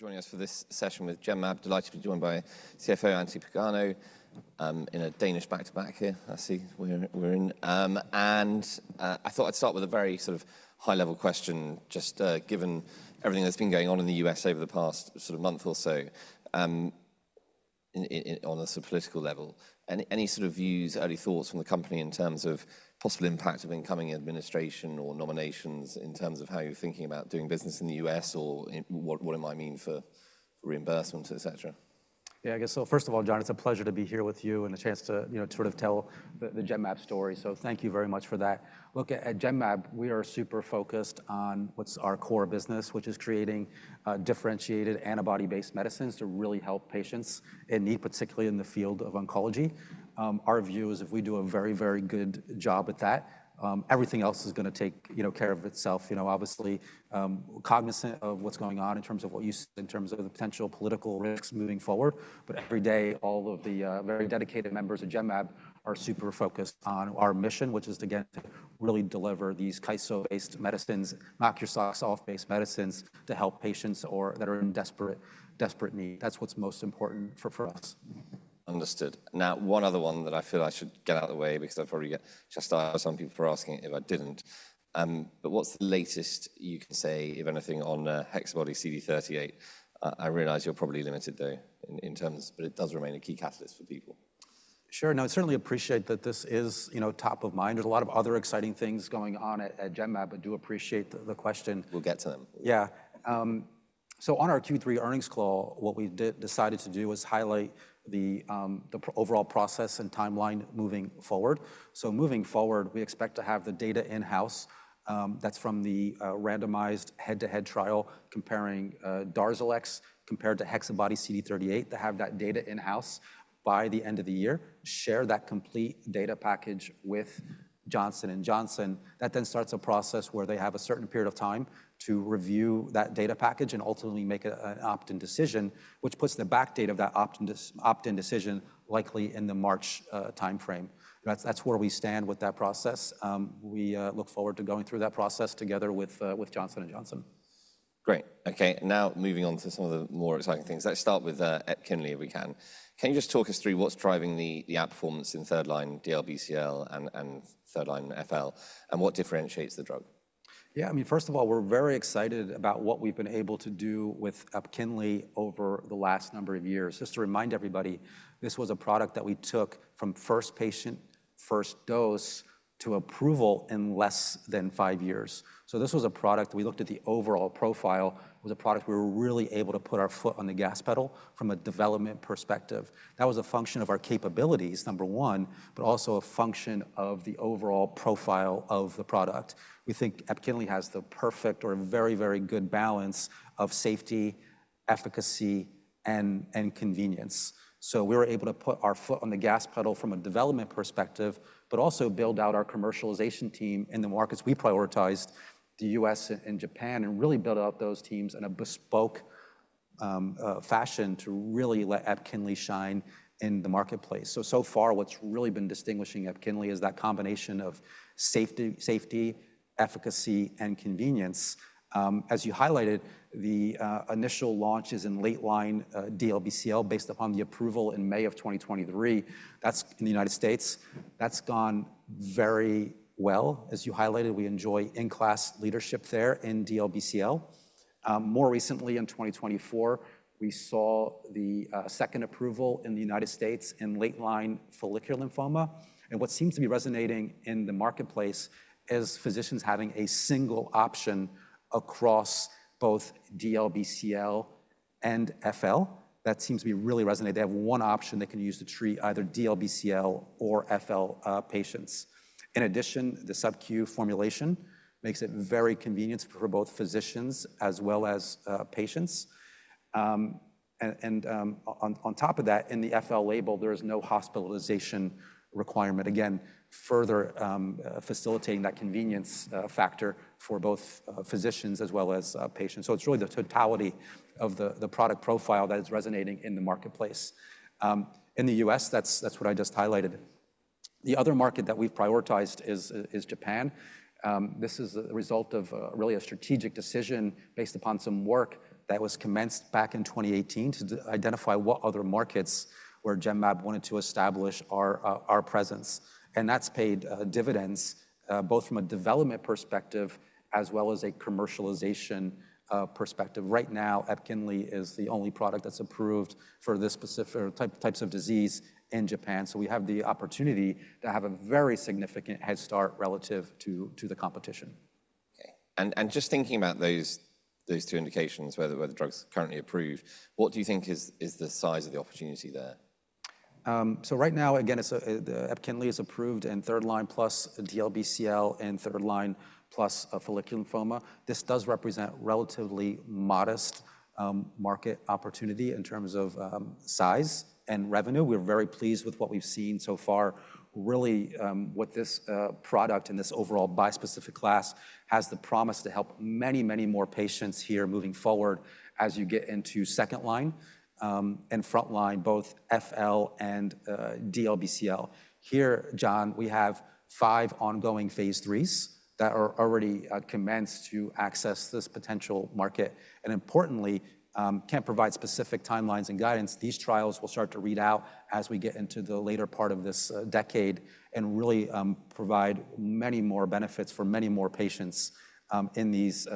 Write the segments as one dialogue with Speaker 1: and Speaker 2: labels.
Speaker 1: For joining us for this session with Genmab, delighted to be joined by CFO Anthony Pagano in a Danish back-to-back here, I see we're in. And I thought I'd start with a very sort of high-level question, just given everything that's been going on in the U.S. over the past sort of month or so, on a sort of political level. Any sort of views, early thoughts from the company in terms of possible impact of incoming administration or nominations in terms of how you're thinking about doing business in the U.S. or what it might mean for reimbursement, et cetera?
Speaker 2: Yeah, I guess so, first of all, John. It's a pleasure to be here with you and a chance to sort of tell the Genmab story. So thank you very much for that. Look, at Genmab, we are super focused on what's our core business, which is creating differentiated antibody-based medicines to really help patients in need, particularly in the field of oncology. Our view is if we do a very, very good job at that, everything else is going to take care of itself. Obviously, cognizant of what's going on in terms of what you said in terms of the potential political risks moving forward, but every day, all of the very dedicated members of Genmab are super focused on our mission, which is to get to really deliver these CISO-based medicines, not your soft-based medicines, to help patients that are in desperate need. That's what's most important for us. Understood. Now, one other one that I feel I should get out of the way because I've already just asked some people for asking if I didn't. But what's the latest, you can say, if anything, on HexBody-CD38? I realize you're probably limited, though, in terms, but it does remain a key catalyst for people. Sure. No, I certainly appreciate that this is top of mind. There's a lot of other exciting things going on at Genmab, but do appreciate the question. We'll get to them. Yeah. So on our Q3 earnings call, what we decided to do was highlight the overall process and timeline moving forward. So moving forward, we expect to have the data in-house that's from the randomized head-to-head trial comparing Darzalex to HexBody CD38 to have that data in-house by the end of the year, share that complete data package with Johnson & Johnson. That then starts a process where they have a certain period of time to review that data package and ultimately make an opt-in decision, which puts the date of that opt-in decision likely in the March timeframe. That's where we stand with that process. We look forward to going through that process together with Johnson & Johnson. Great. Okay. Now, moving on to some of the more exciting things, let's start with Epkinly, if we can. Can you just talk us through what's driving the outperformance in third-line DLBCL and third-line FL, and what differentiates the drug? Yeah, I mean, first of all, we're very excited about what we've been able to do with Epkinly over the last number of years. Just to remind everybody, this was a product that we took from first patient, first dose to approval in less than five years. So this was a product we looked at the overall profile. It was a product we were really able to put our foot on the gas pedal from a development perspective. That was a function of our capabilities, number one, but also a function of the overall profile of the product. We think Epkinly has the perfect or very very good balance of safety, efficacy, and convenience. So we were able to put our foot on the gas pedal from a development perspective, but also build out our commercialization team in the markets. We prioritized the U.S. and Japan and really built out those teams in a bespoke fashion to really let Epkinly shine in the marketplace. So, so far, what's really been distinguishing Epkinly is that combination of safety, efficacy, and convenience. As you highlighted, the initial launches in late-line DLBCL based upon the approval in May of 2023, that's in the United States. That's gone very well. As you highlighted, we enjoy in-class leadership there in DLBCL. More recently, in 2024, we saw the second approval in the United States in late-line follicular lymphoma. And what seems to be resonating in the marketplace is physicians having a single option across both DLBCL and FL. That seems to be really resonating. They have one option they can use to treat either DLBCL or FL patients. In addition, the SubQ formulation makes it very convenient for both physicians as well as patients. And on top of that, in the FL label, there is no hospitalization requirement, again, further facilitating that convenience factor for both physicians as well as patients. So it's really the totality of the product profile that is resonating in the marketplace. In the U.S., that's what I just highlighted. The other market that we've prioritized is Japan. This is a result of really a strategic decision based upon some work that was commenced back in 2018 to identify what other markets where Genmab wanted to establish our presence. And that's paid dividends both from a development perspective as well as a commercialization perspective. Right now, Epkinly is the only product that's approved for these specific types of disease in Japan. So we have the opportunity to have a very significant head start relative to the competition. Okay, and just thinking about those two indications, whether the drug's currently approved, what do you think is the size of the opportunity there? So right now, again, EPKINLY is approved in third-line plus DLBCL and third-line plus follicular lymphoma. This does represent relatively modest market opportunity in terms of size and revenue. We're very pleased with what we've seen so far. Really, what this product in this overall bispecific class has the promise to help many, many more patients here moving forward as you get into second-line and front-line, both FL and DLBCL. Here, John, we have five ongoing phase 3s that are already commenced to assess this potential market, and importantly, can't provide specific timelines and guidance. These trials will start to read out as we get into the later part of this decade and really provide many more benefits for many more patients in these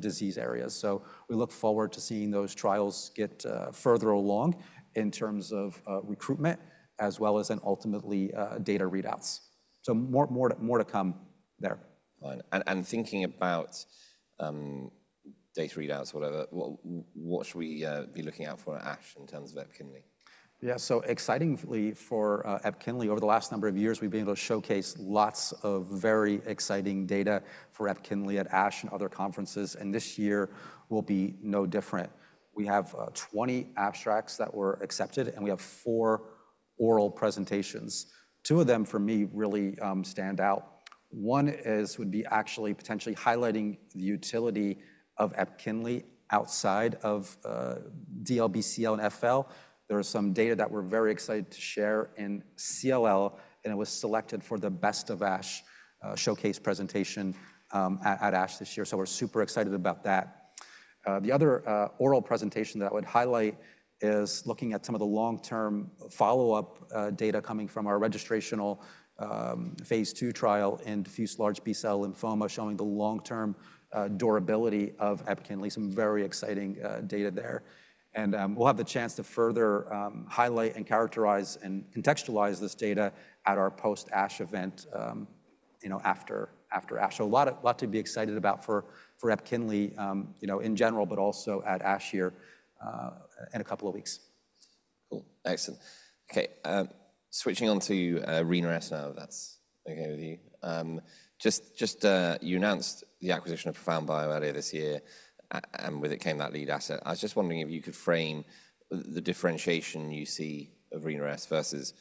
Speaker 2: disease areas. So we look forward to seeing those trials get further along in terms of recruitment as well as ultimately data readouts. So more to come there. Thinking about data readouts, what should we be looking out for at ASH in terms of Epkinly? Yeah, so excitingly for Epkinly, over the last number of years, we've been able to showcase lots of very exciting data for Epkinly at ASH and other conferences. And this year will be no different. We have 20 abstracts that were accepted, and we have four oral presentations. Two of them for me really stand out. One would be actually potentially highlighting the utility of Epkinly outside of DLBCL and FL. There is some data that we're very excited to share in CLL, and it was selected for the best of ASH showcase presentation at ASH this year. So we're super excited about that. The other oral presentation that I would highlight is looking at some of the long-term follow-up data coming from our registrational phase two trial in diffuse large B-cell lymphoma showing the long-term durability of Epkinly. Some very exciting data there. We'll have the chance to further highlight and characterize and contextualize this data at our post-ASH event after ASH. A lot to be excited about for EPKINLY in general, but also at ASH here in a couple of weeks. Cool. Excellent. Okay. Switching on to RINRAS now, if that's okay with you. You just announced the acquisition of ProfoundBio earlier this year, and with it came that lead asset. I was just wondering if you could frame the differentiation you see of RINRAS versus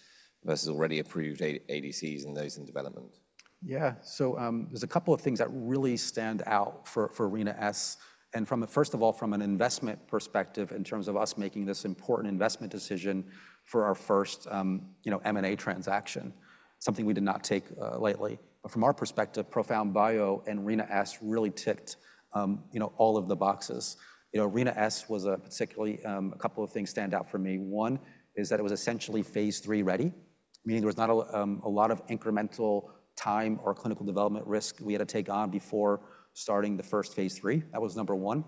Speaker 2: already approved ADCs and those in development? Yeah. So there's a couple of things that really stand out for Rina-S. And first of all, from an investment perspective in terms of us making this important investment decision for our first M&A transaction, something we did not take lightly. But from our perspective, ProfoundBio and Rina-S really ticked all of the boxes. Rina-S was particularly a couple of things stand out for me. One is that it was essentially phase three ready, meaning there was not a lot of incremental time or clinical development risk we had to take on before starting the first phase three. That was number one.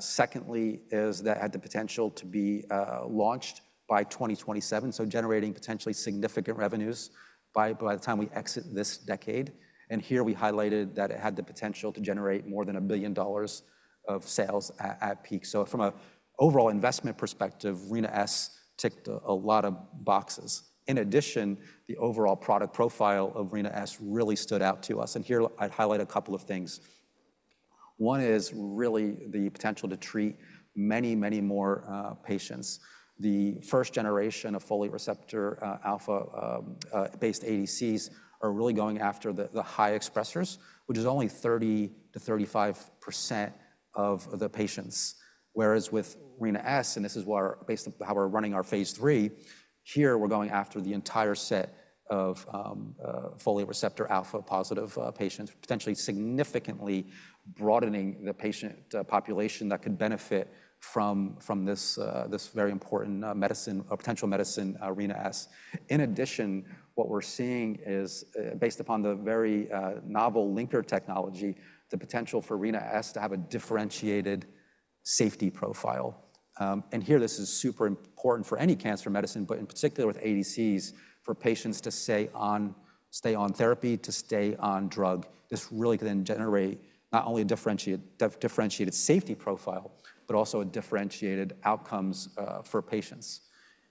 Speaker 2: Secondly is that it had the potential to be launched by 2027, so generating potentially significant revenues by the time we exit this decade. And here we highlighted that it had the potential to generate more than $1 billion of sales at peak. From an overall investment perspective, Rina-S ticked a lot of boxes. In addition, the overall product profile of Rina-S really stood out to us. And here I'd highlight a couple of things. One is really the potential to treat many, many more patients. The first generation of folate receptor alpha-based ADCs are really going after the high expressors, which is only 30%-35% of the patients. Whereas with Rina-S, and this is based on how we're running our phase three, here we're going after the entire set of folate receptor alpha-positive patients, potentially significantly broadening the patient population that could benefit from this very important medicine, potential medicine, Rina-S. In addition, what we're seeing is based upon the very novel linker technology, the potential for Rina-S to have a differentiated safety profile. And here, this is super important for any cancer medicine, but in particular with ADCs for patients to stay on therapy, to stay on drug. This really can then generate not only a differentiated safety profile, but also a differentiated outcomes for patients.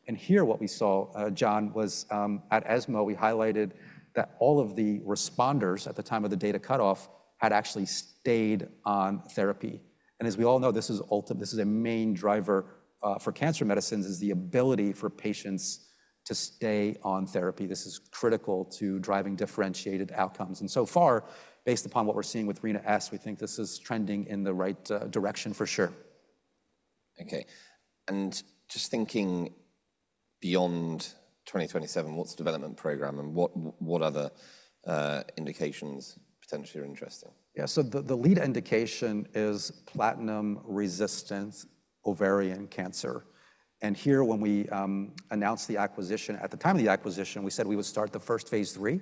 Speaker 2: And here what we saw, John, was at ESMO, we highlighted that all of the responders at the time of the data cutoff had actually stayed on therapy. And as we all know, this is a main driver for cancer medicines, is the ability for patients to stay on therapy. This is critical to driving differentiated outcomes. And so far, based upon what we're seeing with Rina-S, we think this is trending in the right direction for sure. Okay. And just thinking beyond 2027, what's the development program and what other indications potentially are interesting? Yeah. So the lead indication is platinum resistant ovarian cancer. And here, when we announced the acquisition, at the time of the acquisition, we said we would start the first phase three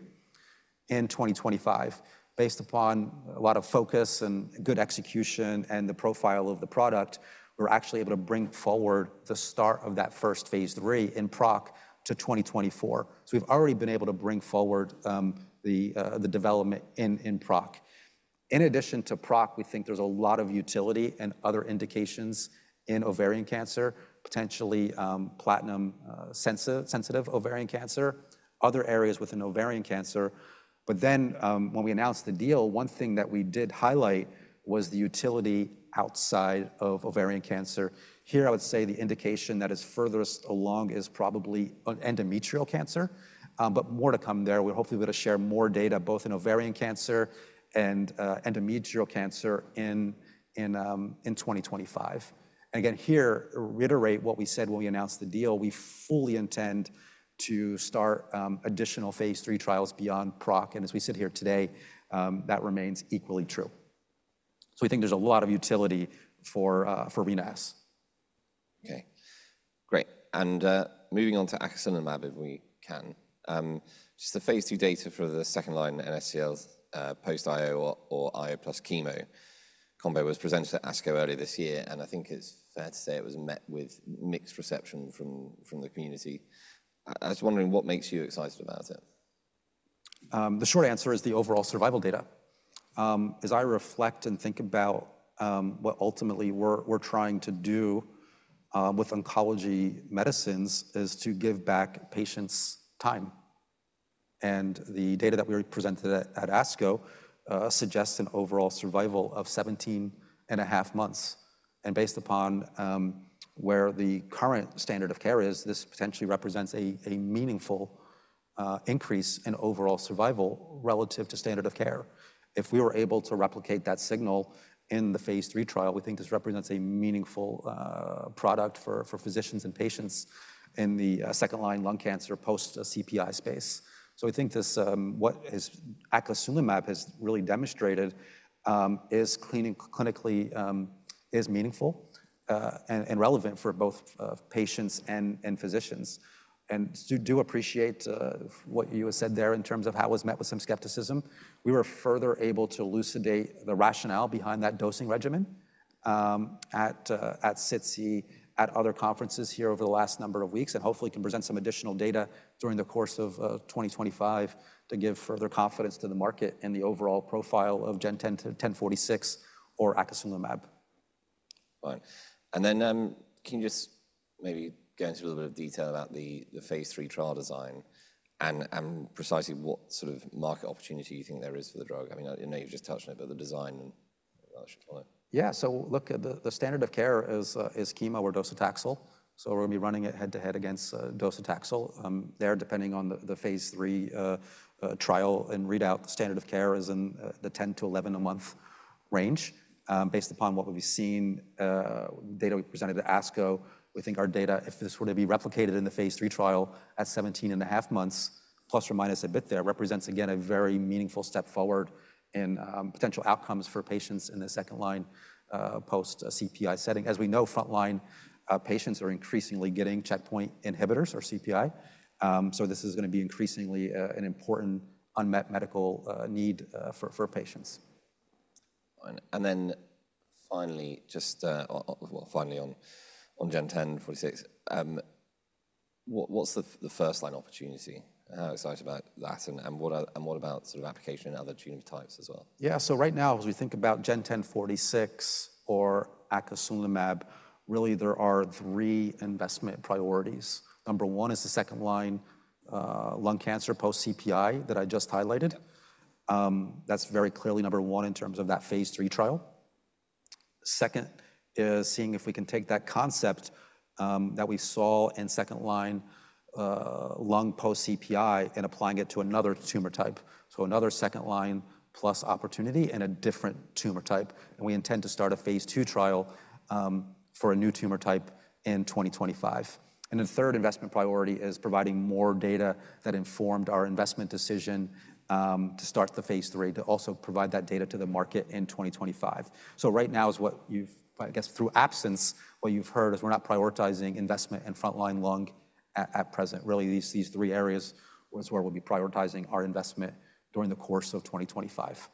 Speaker 2: in 2025. Based upon a lot of focus and good execution and the profile of the product, we're actually able to bring forward the start of that first phase three in PROC to 2024. So we've already been able to bring forward the development in PROC. In addition to PROC, we think there's a lot of utility and other indications in ovarian cancer, potentially platinum sensitive ovarian cancer, other areas within ovarian cancer. But then, when we announced the deal, one thing that we did highlight was the utility outside of ovarian cancer. Here, I would say the indication that is furthest along is probably endometrial cancer, but more to come there. We're hopefully going to share more data both in ovarian cancer and endometrial cancer in 2025. And again, here, reiterate what we said when we announced the deal. We fully intend to start additional phase 3 trials beyond PROC. And as we sit here today, that remains equally true. So we think there's a lot of utility for Rina-S. Okay. Great. And moving on to Axonimab, if we can. Just the phase two data for the second-line NSCLC post-IO or IO plus chemo combo was presented at ASCO earlier this year. And I think it's fair to say it was met with mixed reception from the community. I was wondering what makes you excited about it? The short answer is the overall survival data. As I reflect and think about what ultimately we're trying to do with oncology medicines is to give back patients time. And the data that we presented at ASCO suggests an overall survival of 17 and a half months. And based upon where the current standard of care is, this potentially represents a meaningful increase in overall survival relative to standard of care. If we were able to replicate that signal in the phase three trial, we think this represents a meaningful product for physicians and patients in the second-line lung cancer post-CPI space. So I think what Axonimab has really demonstrated is clinically meaningful and relevant for both patients and physicians. And I do appreciate what you said there in terms of how it was met with some skepticism. We were further able to elucidate the rationale behind that dosing regimen at SITC, at other conferences here over the last number of weeks, and hopefully can present some additional data during the course of 2025 to give further confidence to the market in the overall profile of Gen1046 or Axonimab. Fine. And then can you just maybe go into a little bit of detail about the phase 3 trial design and precisely what sort of market opportunity you think there is for the drug? I mean, I know you've just touched on it, but the design and. Yeah. So look, the standard of care is chemo or docetaxel. So we're going to be running it head to head against docetaxel there, depending on the phase three trial and readout. The standard of care is in the 10 to 11 month range. Based upon what we've seen, data we presented at ASCO, we think our data, if this were to be replicated in the phase three trial at 17 and a half months, plus or minus a bit there, represents again a very meaningful step forward in potential outcomes for patients in the second-line post-CPI setting. As we know, front-line patients are increasingly getting checkpoint inhibitors or CPI. So this is going to be increasingly an important unmet medical need for patients. And then finally, just finally on Gen1046, what's the first-line opportunity? How excited about that? And what about sort of application in other tumor types as well? Yeah. So right now, as we think about Gen1046 or Axonimab, really there are three investment priorities. Number one is the second-line lung cancer post-CPI that I just highlighted. That's very clearly number one in terms of that phase three trial. Second is seeing if we can take that concept that we saw in second-line lung post-CPI and applying it to another tumor type. So another second-line plus opportunity and a different tumor type. And we intend to start a phase two trial for a new tumor type in 2025. And the third investment priority is providing more data that informed our investment decision to start the phase three to also provide that data to the market in 2025. So right now is what you've, I guess through absence, what you've heard is we're not prioritizing investment in front-line lung at present. Really, these three areas is where we'll be prioritizing our investment during the course of 2025.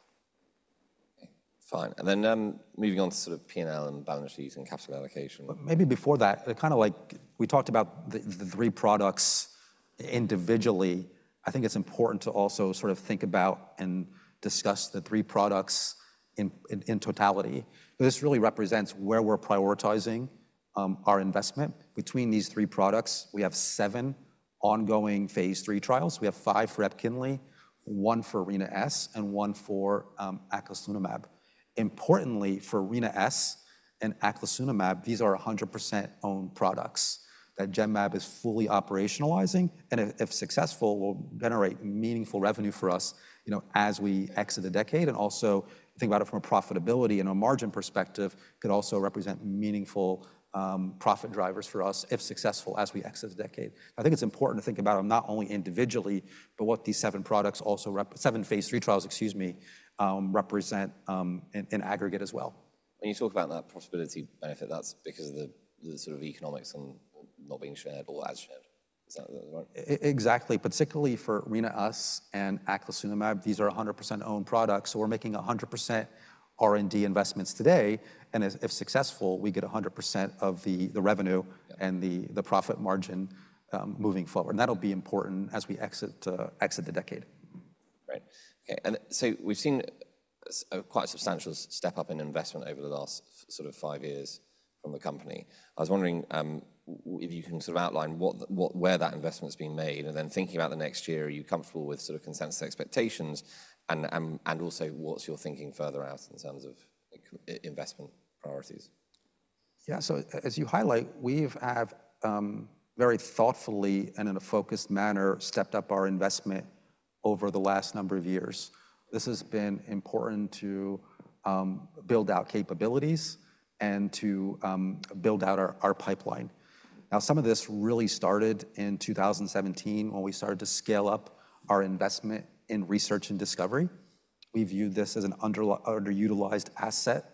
Speaker 2: Fine, and then moving on to sort of P&L and balance sheets and capital allocation. But maybe before that, kind of like we talked about the three products individually, I think it's important to also sort of think about and discuss the three products in totality. This really represents where we're prioritizing our investment. Between these three products, we have seven ongoing phase three trials. We have five for Epkinly, one for Rina-S, and one for Acasunlimab. Importantly, for Rina-S and Acasunlimab, these are 100% owned products that Genmab is fully operationalizing. And if successful, will generate meaningful revenue for us as we exit the decade. And also think about it from a profitability and a margin perspective, could also represent meaningful profit drivers for us if successful as we exit the decade. I think it's important to think about them not only individually, but what these seven products, seven phase three trials, excuse me, represent in aggregate as well. When you talk about that profitability benefit, that's because of the sort of economics and not being shared or as shared. Is that right? Exactly. Particularly for Rina-S and Acasunlimab, these are 100% owned products. So we're making 100% R&D investments today. And if successful, we get 100% of the revenue and the profit margin moving forward. And that'll be important as we exit the decade. Right. Okay. And so we've seen quite a substantial step up in investment over the last sort of five years from the company. I was wondering if you can sort of outline where that investment's been made. And then thinking about the next year, are you comfortable with sort of consensus expectations and also what's your thinking further out in terms of investment priorities? Yeah, so as you highlight, we have very thoughtfully and in a focused manner stepped up our investment over the last number of years. This has been important to build out capabilities and to build out our pipeline. Now, some of this really started in 2017 when we started to scale up our investment in research and discovery. We viewed this as an underutilized asset.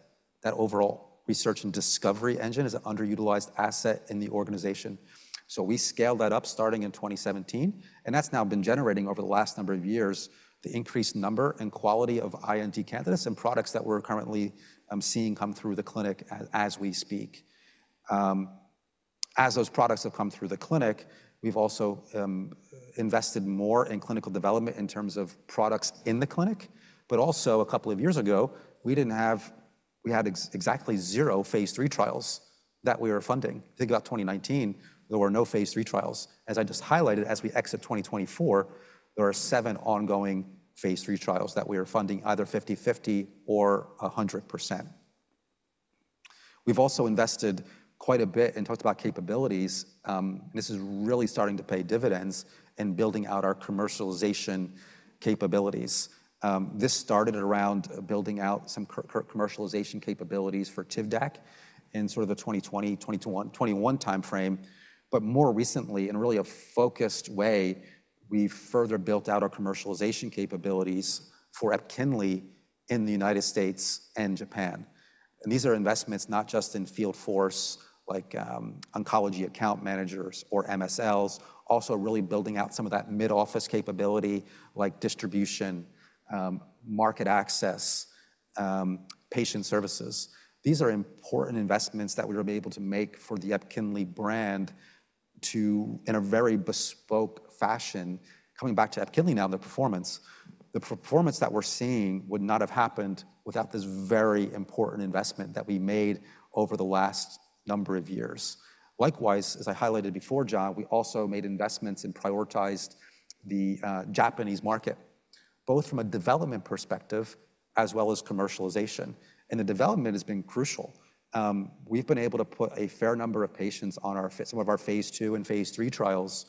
Speaker 2: That overall research and discovery engine is an underutilized asset in the organization, so we scaled that up starting in 2017, and that's now been generating over the last number of years the increased number and quality of IND candidates and products that we're currently seeing come through the clinic as we speak. As those products have come through the clinic, we've also invested more in clinical development in terms of products in the clinic. But also a couple of years ago, we had exactly zero phase three trials that we were funding. I think about 2019, there were no phase three trials. As I just highlighted, as we exit 2024, there are seven ongoing phase three trials that we are funding either 50/50 or 100%. We've also invested quite a bit and talked about capabilities. This is really starting to pay dividends in building out our commercialization capabilities. This started around building out some commercialization capabilities for Tivdac in sort of the 2020, 2021 timeframe. But more recently, in a really focused way, we've further built out our commercialization capabilities for Epkinly in the United States and Japan. And these are investments not just in field force like oncology account managers or MSLs, also really building out some of that mid-office capability like distribution, market access, patient services. These are important investments that we were able to make for the Epkinly brand in a very bespoke fashion. Coming back to Epkinly now and the performance, the performance that we're seeing would not have happened without this very important investment that we made over the last number of years. Likewise, as I highlighted before, John, we also made investments and prioritized the Japanese market, both from a development perspective as well as commercialization. The development has been crucial. We've been able to put a fair number of patients on some of our phase 2 and phase 3 trials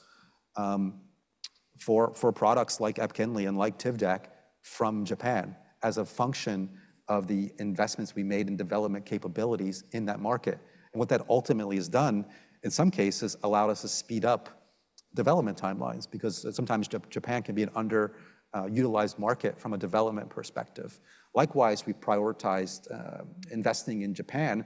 Speaker 2: for products like Epkinly and like Tivdac from Japan as a function of the investments we made in development capabilities in that market. What that ultimately has done in some cases allowed us to speed up development timelines because sometimes Japan can be an underutilized market from a development perspective. Likewise, we prioritized investing in Japan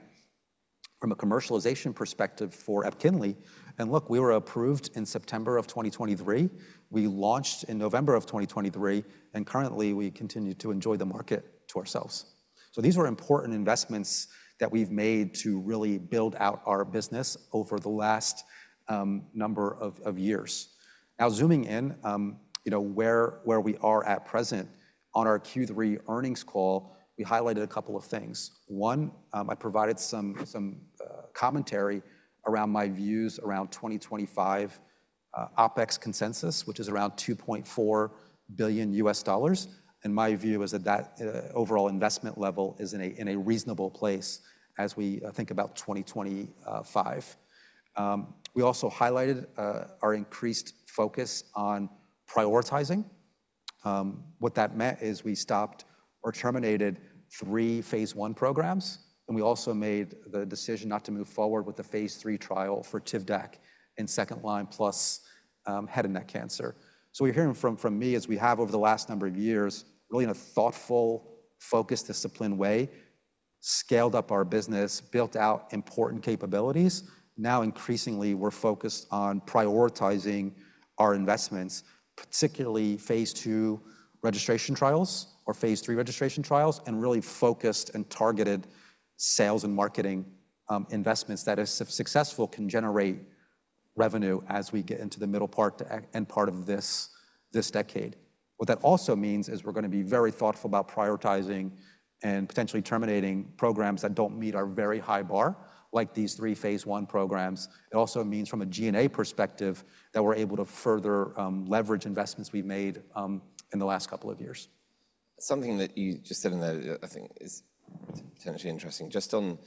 Speaker 2: from a commercialization perspective for Epkinly. And look, we were approved in September of 2023. We launched in November of 2023, and currently we continue to enjoy the market to ourselves. So these were important investments that we've made to really build out our business over the last number of years. Now, zooming in, where we are at present on our Q3 earnings call, we highlighted a couple of things. One, I provided some commentary around my views around 2025 OpEx consensus, which is around $2.4 billion. And my view is that that overall investment level is in a reasonable place as we think about 2025. We also highlighted our increased focus on prioritizing. What that meant is we stopped or terminated three phase one programs, and we also made the decision not to move forward with the phase three trial for Tivdac in second-line plus head and neck cancer, so you're hearing from me as we have over the last number of years, really in a thoughtful, focused, disciplined way, scaled up our business, built out important capabilities. Now, increasingly, we're focused on prioritizing our investments, particularly phase two registration trials or phase three registration trials, and really focused and targeted sales and marketing investments that, if successful, can generate revenue as we get into the middle part and part of this decade. What that also means is we're going to be very thoughtful about prioritizing and potentially terminating programs that don't meet our very high bar, like these three phase one programs. It also means from a G&A perspective that we're able to further leverage investments we've made in the last couple of years. Something that you just said in there, I think is potentially interesting. Just on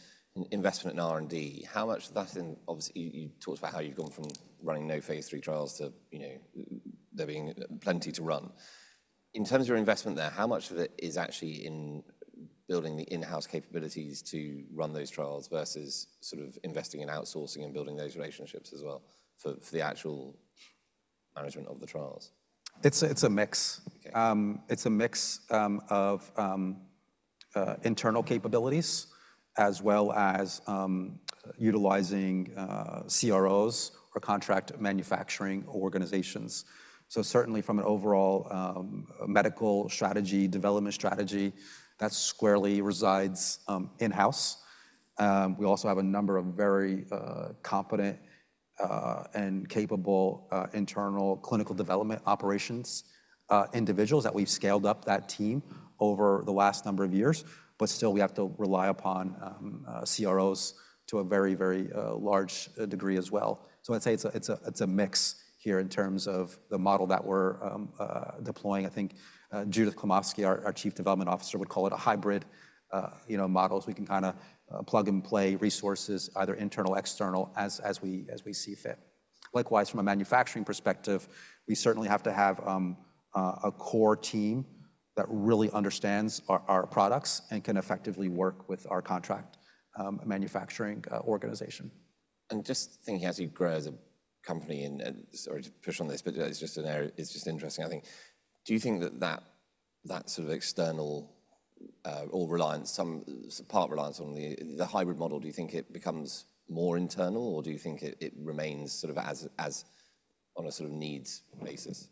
Speaker 2: investment in R&D, how much of that is in, obviously, you talked about how you've gone from running no phase three trials to there being plenty to run. In terms of your investment there, how much of it is actually in building the in-house capabilities to run those trials versus sort of investing in outsourcing and building those relationships as well for the actual management of the trials? It's a mix. It's a mix of internal capabilities as well as utilizing CROs or contract manufacturing organizations. So certainly from an overall medical strategy, development strategy, that squarely resides in-house. We also have a number of very competent and capable internal clinical development operations individuals that we've scaled up that team over the last number of years. But still, we have to rely upon CROs to a very, very large degree as well. So I'd say it's a mix here in terms of the model that we're deploying. I think Judith Klimovsky, our Chief Development Officer, would call it a hybrid model. We can kind of plug and play resources, either internal, external, as we see fit. Likewise, from a manufacturing perspective, we certainly have to have a core team that really understands our products and can effectively work with our contract manufacturing organization. Just thinking as you grow as a company and sort of push on this, but it's just interesting, I think. Do you think that that sort of external or reliance, some part reliance on the hybrid model, do you think it becomes more internal or do you think it remains sort of on a sort of needs basis?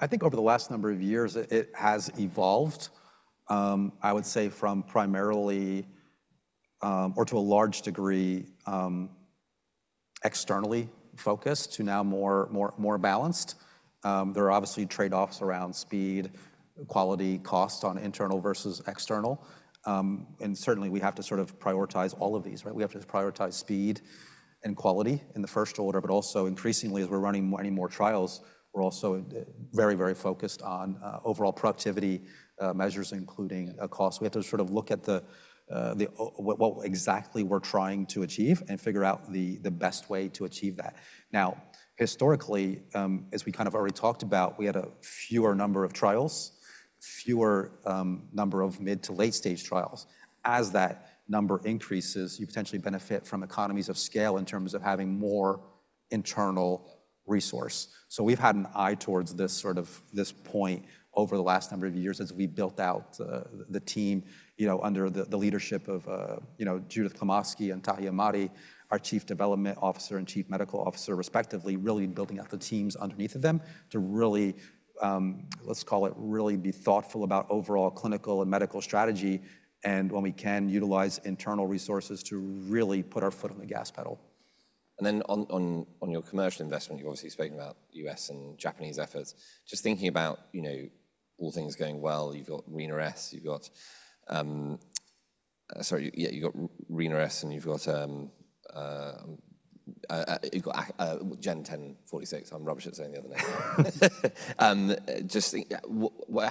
Speaker 2: I think over the last number of years, it has evolved, I would say, from primarily or to a large degree externally focused to now more balanced. There are obviously trade-offs around speed, quality, cost on internal versus external. And certainly, we have to sort of prioritize all of these, right? We have to prioritize speed and quality in the first order, but also increasingly, as we're running many more trials, we're also very, very focused on overall productivity measures, including cost. We have to sort of look at what exactly we're trying to achieve and figure out the best way to achieve that. Now, historically, as we kind of already talked about, we had a fewer number of trials, fewer number of mid to late stage trials. As that number increases, you potentially benefit from economies of scale in terms of having more internal resource. So we've had an eye towards this sort of this point over the last number of years as we built out the team under the leadership of Judith Klimovsky and Tahamtan Ahmadi, our Chief Development Officer and Chief Medical Officer, respectively, really building out the teams underneath of them to really, let's call it really be thoughtful about overall clinical and medical strategy and when we can utilize internal resources to really put our foot on the gas pedal. And then on your commercial investment, you're obviously speaking about U.S. and Japanese efforts. Just thinking about all things going well, you've got Rina-S, you've got sorry, you've got Rina-S and you've got Gen1046. I'm rubbish at saying the other name. Just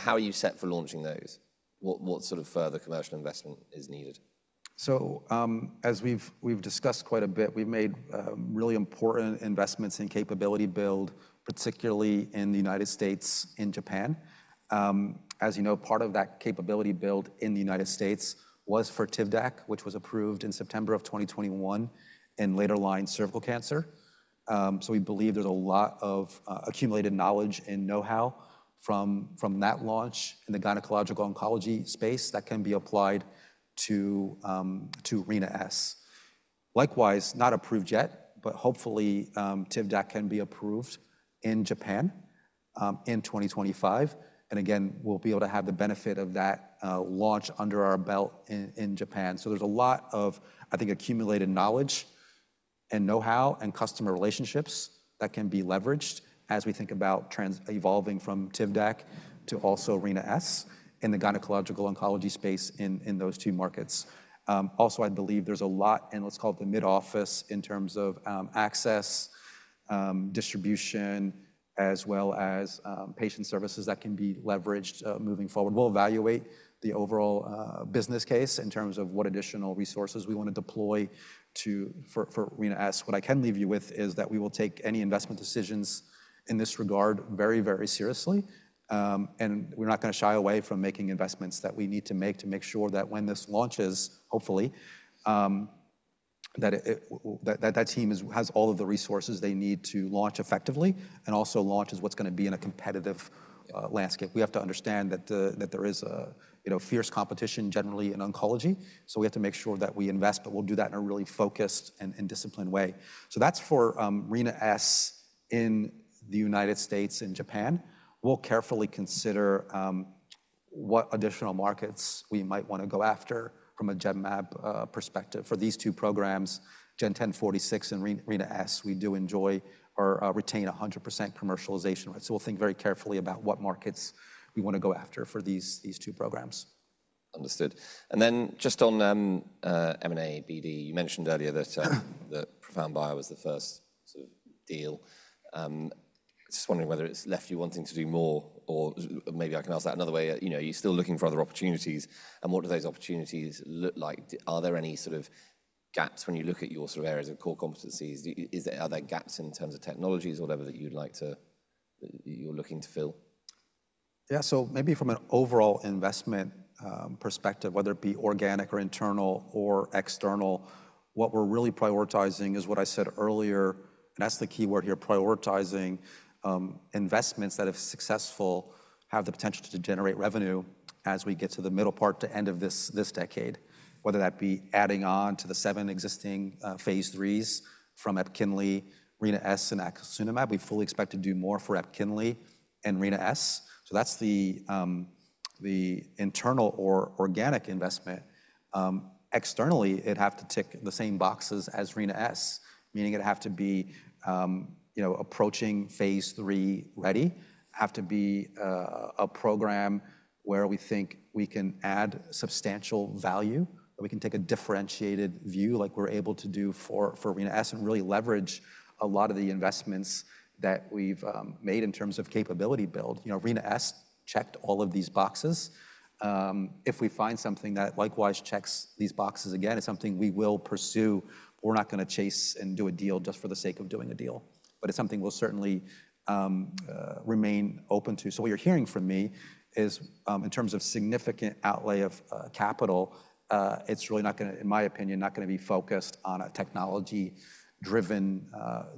Speaker 2: how are you set for launching those? What sort of further commercial investment is needed? As we've discussed quite a bit, we've made really important investments in capability build, particularly in the United States and Japan. As you know, part of that capability build in the United States was for Tivdac, which was approved in September of 2021 in later line cervical cancer. We believe there's a lot of accumulated knowledge and know-how from that launch in the gynecological oncology space that can be applied to Rina-S. Likewise, not approved yet, but hopefully Tivdac can be approved in Japan in 2025. Again, we'll be able to have the benefit of that launch under our belt in Japan. There's a lot of, I think, accumulated knowledge and know-how and customer relationships that can be leveraged as we think about evolving from Tivdac to also Rina-S in the gynecological oncology space in those two markets. Also, I believe there's a lot, and let's call it the mid-office in terms of access, distribution, as well as patient services that can be leveraged moving forward. We'll evaluate the overall business case in terms of what additional resources we want to deploy for Rina-S. What I can leave you with is that we will take any investment decisions in this regard very, very seriously. And we're not going to shy away from making investments that we need to make to make sure that when this launches, hopefully, that that team has all of the resources they need to launch effectively and also launches what's going to be in a competitive landscape. We have to understand that there is fierce competition generally in oncology. So we have to make sure that we invest, but we'll do that in a really focused and disciplined way. So that's for Rina-S in the United States and Japan. We'll carefully consider what additional markets we might want to go after from a Genmab perspective for these two programs, Gen1046 and Rina-S. We do enjoy or retain 100% commercialization. So we'll think very carefully about what markets we want to go after for these two programs. Understood. And then just on M&A BD, you mentioned earlier that the ProfoundBio was the first sort of deal. Just wondering whether it's left you wanting to do more, or maybe I can ask that another way. You're still looking for other opportunities. And what do those opportunities look like? Are there any sort of gaps when you look at your sort of areas of core competencies? Are there gaps in terms of technologies or whatever that you're looking to fill? Yeah, so maybe from an overall investment perspective, whether it be organic or internal or external, what we're really prioritizing is what I said earlier, and that's the keyword here, prioritizing investments that if successful have the potential to generate revenue as we get to the middle part to end of this decade, whether that be adding on to the seven existing phase 3s from Epkinly, Rina-S, and Acasunlimab. We fully expect to do more for Epkinly and Rina-S. So that's the internal or organic investment. Externally, it'd have to tick the same boxes as Rina-S, meaning it'd have to be approaching phase 3 ready, have to be a program where we think we can add substantial value, that we can take a differentiated view like we're able to do for Rina-S and really leverage a lot of the investments that we've made in terms of capability build. Rina-S checked all of these boxes. If we find something that likewise checks these boxes again, it's something we will pursue. We're not going to chase and do a deal just for the sake of doing a deal, but it's something we'll certainly remain open to. So what you're hearing from me is in terms of significant outlay of capital, it's really not going to, in my opinion, not going to be focused on a technology-driven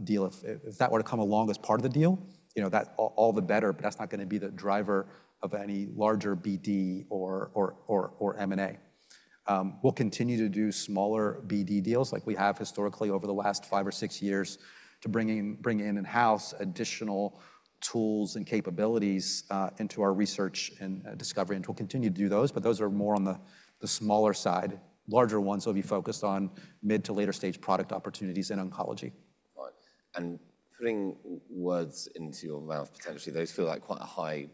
Speaker 2: deal. If that were to come along as part of the deal, that's all the better, but that's not going to be the driver of any larger BD or M&A. We'll continue to do smaller BD deals like we have historically over the last five or six years to bring in-house additional tools and capabilities into our research and discovery, and we'll continue to do those, but those are more on the smaller side. Larger ones will be focused on mid to later stage product opportunities in oncology. Putting words into your mouth, potentially, those feel like quite a high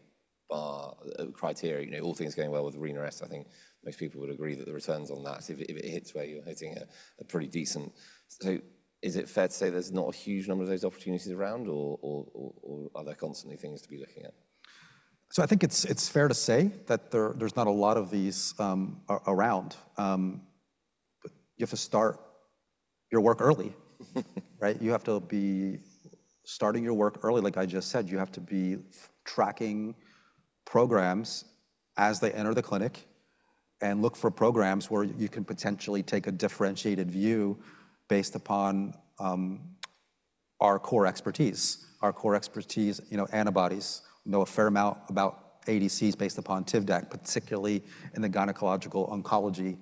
Speaker 2: bar criteria. All things going well with Rina-S, I think most people would agree that the returns on that, if it hits where you're hitting a pretty decent. So is it fair to say there's not a huge number of those opportunities around, or are there constantly things to be looking at? I think it's fair to say that there's not a lot of these around. You have to start your work early, right? You have to be starting your work early. Like I just said, you have to be tracking programs as they enter the clinic and look for programs where you can potentially take a differentiated view based upon our core expertise. Our core expertise, antibodies, know a fair amount about ADCs based upon Tivdac, particularly in the gynecological oncology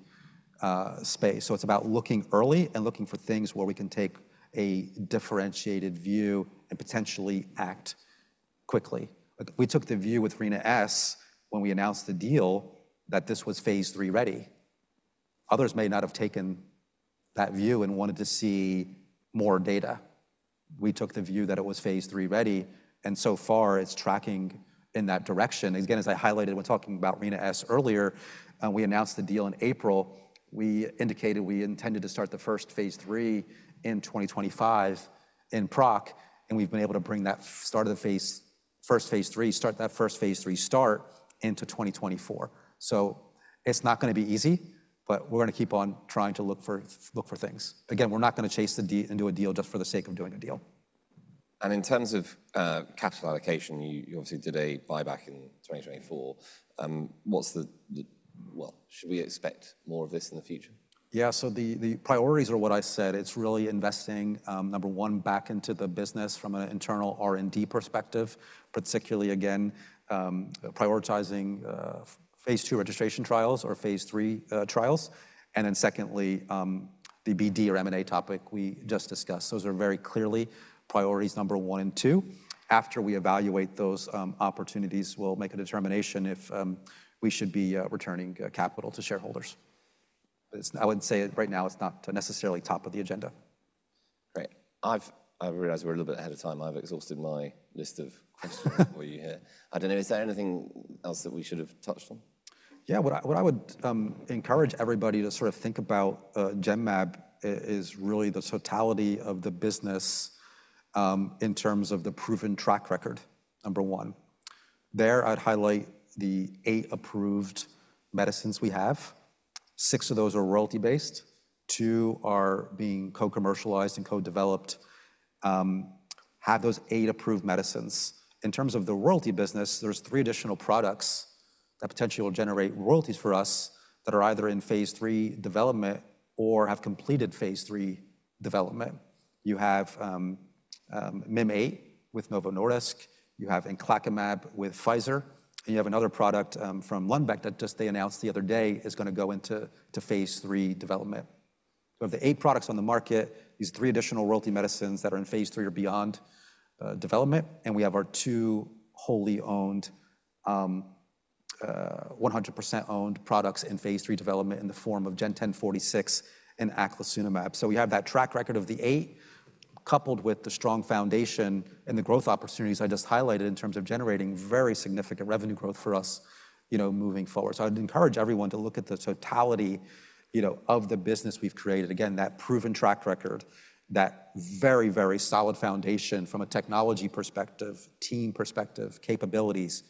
Speaker 2: space. It's about looking early and looking for things where we can take a differentiated view and potentially act quickly. We took the view with Rina-S when we announced the deal that this was phase three ready. Others may not have taken that view and wanted to see more data. We took the view that it was phase three ready. And so far, it's tracking in that direction. Again, as I highlighted when talking about Rina-S earlier, we announced the deal in April. We indicated we intended to start the first phase three in 2025 in PROC, and we've been able to bring that start of the first phase three into 2024. So it's not going to be easy, but we're going to keep on trying to look for things. Again, we're not going to chase and do a deal just for the sake of doing a deal. In terms of capital allocation, you obviously did a buyback in 2024. What's the, well, should we expect more of this in the future? Yeah, so the priorities are what I said. It's really investing, number one, back into the business from an internal R&D perspective, particularly again, prioritizing phase two registration trials or phase three trials. And then secondly, the BD or M&A topic we just discussed. Those are very clearly priorities number one and two. After we evaluate those opportunities, we'll make a determination if we should be returning capital to shareholders. I would say right now, it's not necessarily top of the agenda. Great. I've realized we're a little bit ahead of time. I've exhausted my list of questions for you here. I don't know, is there anything else that we should have touched on? Yeah, what I would encourage everybody to sort of think about Genmab is really the totality of the business in terms of the proven track record, number one. There, I'd highlight the eight approved medicines we have. Six of those are royalty-based. Two are being co-commercialized and co-developed. Have those eight approved medicines. In terms of the royalty business, there's three additional products that potentially will generate royalties for us that are either in phase three development or have completed phase three development. You have Mim8 with Novo Nordisk. You have Elranatamab with Pfizer. And you have another product from Lundbeck that just they announced the other day is going to go into phase three development. So we have the eight products on the market, these three additional royalty medicines that are in phase three or beyond development. We have our two wholly owned, 100% owned products in phase three development in the form of Gen1046 and Acasunlimab. We have that track record of the eight, coupled with the strong foundation and the growth opportunities I just highlighted in terms of generating very significant revenue growth for us moving forward. I'd encourage everyone to look at the totality of the business we've created. Again, that proven track record, that very, very solid foundation from a technology perspective, team perspective, capabilities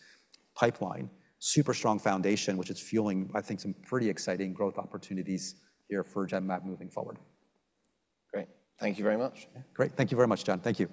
Speaker 2: pipeline, super strong foundation, which is fueling, I think, some pretty exciting growth opportunities here for Genmab moving forward. Great. Thank you very much. Great. Thank you very much, John. Thank you.